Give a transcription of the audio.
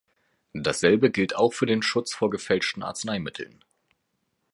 Dasselbe gilt auch für den Schutz vor gefälschten Arzneimitteln.